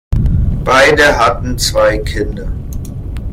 Beide hatten zwei Kinder.